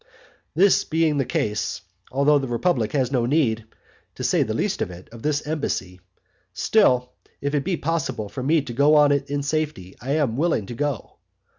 This being the case, although the republic has no need (to say the least of it) of this embassy, still if it be possible for me to go on it in safety, I am willing to go.